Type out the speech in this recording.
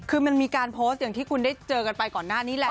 คือมันมีการโพสต์อย่างที่คุณได้เจอกันไปก่อนหน้านี้แล้ว